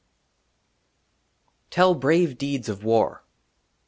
15 XV " TELL BRAVE DEEDS OF WAR."